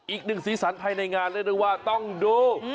อีกหนึ่งสีสันในงานเลยว่าต้องดู